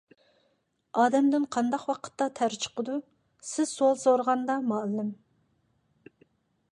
_ ئادەمدىن قانداق ۋاقىتتا تەر چىقىدۇ؟ _ سىز سوئال سورىغاندا، مۇئەللىم.